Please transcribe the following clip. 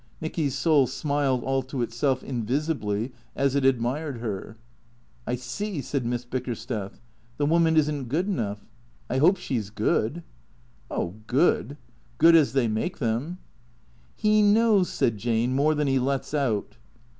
Nicky's soul smiled all to itself invisibly as it admired her. " I see/' said Miss Bickersteth. " The woman is n't good enough. I hope she's good." " Oh — good. Good as they make them," " He knows/' said Jane, " more than he lets out."